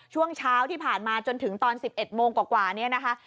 ช่วงเช้าที่ผ่านมาจนถึงตอน๑๑โมงกว่านี้นะคะ